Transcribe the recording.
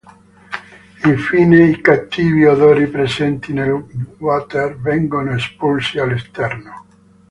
Infine i cattivi odori presenti nel water vengono espulsi all'esterno.